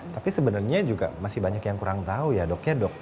tapi sebenarnya juga masih banyak yang kurang tahu ya dok ya dok